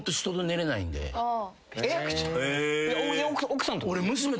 奥さんと。